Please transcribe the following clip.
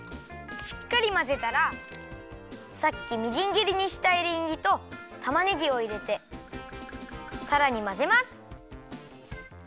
しっかりまぜたらさっきみじんぎりにしたエリンギとたまねぎをいれてさらにまぜます。